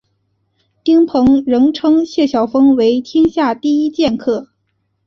丁鹏仍称谢晓峰为天下第一剑客。